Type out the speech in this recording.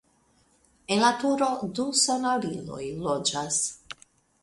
En la turo du sonoriloj loĝas.